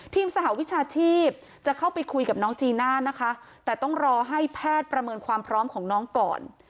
สหวิชาชีพจะเข้าไปคุยกับน้องจีน่านะคะแต่ต้องรอให้แพทย์ประเมินความพร้อมของน้องก่อน